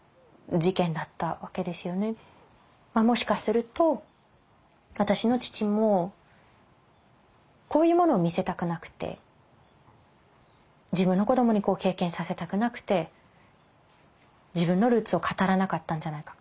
もしかすると私の父もこういうものを見せたくなくて自分の子どもに経験させたくなくて自分のルーツを語らなかったんじゃないか。